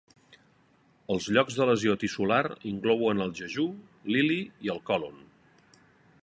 Els llocs de lesió tissular inclouen el jejú, l'ili, i el còlon.